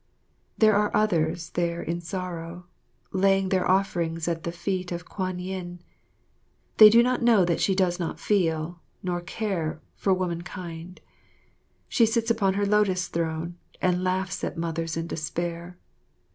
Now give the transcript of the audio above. There are others there in sorrow, laying their offerings at the feet of Kwan yin. They do not know that she does not feel, nor care, for womankind. She sits upon her lotus throne and laughs at mothers in despair.